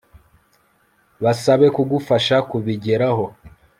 Basabe kugufasha kubigeraho